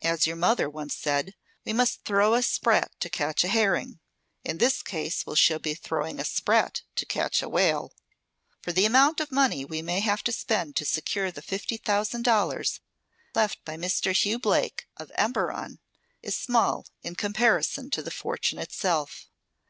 "As your mother once said, we must throw a sprat to catch a herring. In this case we shall be throwing a sprat to catch a whale! For the amount of money we may have to spend to secure the fifty thousand dollars left by Mr. Hugh Blake, of Emberon, is small, in comparison to the fortune itself.